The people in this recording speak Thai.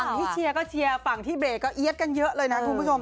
ที่เชียร์ก็เชียร์ฝั่งที่เบรกก็เอี๊ยดกันเยอะเลยนะคุณผู้ชม